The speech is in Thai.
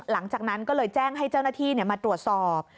หลังจากนั้นก็เลยแจ้งให้เจ้าหน้าที่มาตรวจสอบ